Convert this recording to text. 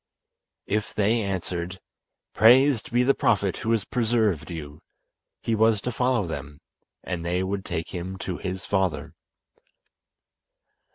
If they answered: "Praised be the Prophet who has preserved you," he was to follow them, and they would take him to his father.